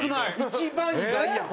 一番意外やん！